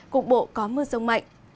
cục bộ có mưa rông mạnh